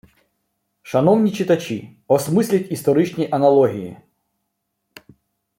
Шановні читачі, осмисліть історичні аналогії